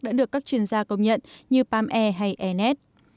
đã được các chuyên gia công nhận như palm air hay net